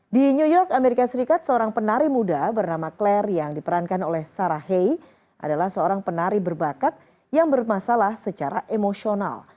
di new york amerika serikat seorang penari muda bernama claire yang diperankan oleh sarah hei adalah seorang penari berbakat yang bermasalah secara emosional